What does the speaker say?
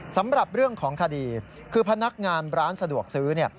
สำหรับเรื่องของคดีคือพนักงานร้านสะดวกซื้อ